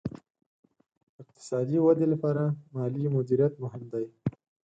اقتصادي ودې لپاره مالي مدیریت مهم دی.